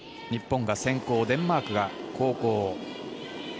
日本が先攻デンマークが後攻。